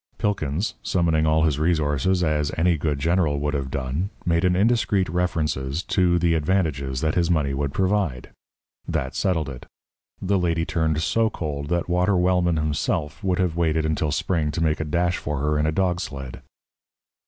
Pilkins, summoning all his resources as any good general would have done, made an indiscreet references to the advantages that his money would provide. That settled it. The lady turned so cold that Walter Wellman himself would have waited until spring to make a dash for her in a dog sled.